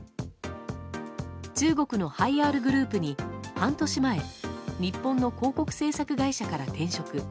中国のハイアールグループに半年前日本の広告制作会社から転職。